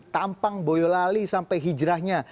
tampang boyolali sampai hijrahnya